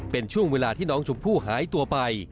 เป็นช่วงเวลาที่น้องชมพู่หายตัวไป